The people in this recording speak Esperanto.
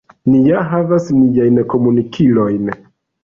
Ni ja havas niajn komunikilojn.